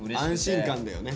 安心感だよね。